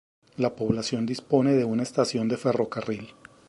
La población dispone de una estación de ferrocarril.